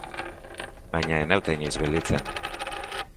Baina ez naute inoiz gelditzen.